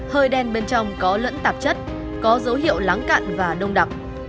hơi đen bên trong có lẫn tạp chất có dấu hiệu lắng cặn và đông đặc